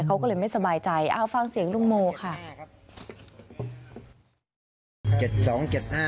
เขาก็เลยไม่สบายใจเอาฟังเสียงลุงโมค่ะ